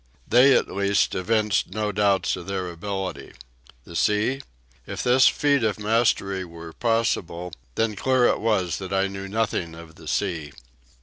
They, at least, evinced no doubts of their ability. The sea? If this feat of mastery were possible, then clear it was that I knew nothing of the sea.